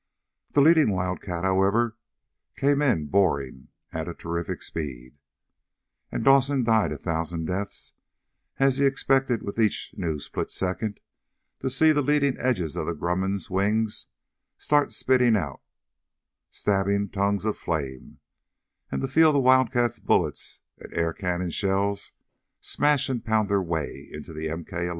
The leading Wildcat, however, came boring in at terrific speed, and Dawson died a thousand deaths as he expected with each new split second to see the leading edges of the Grumman's wing start spitting out stabbing tongues of flame, and to feel the Wildcat's bullets and air cannon shells smash and pound their way into the MK 11.